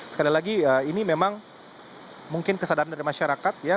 sekali lagi ini memang mungkin kesadaran dari masyarakat ya